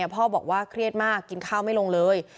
พ่อบอกว่าเครียดมากกินข้าวไม่ลงเลย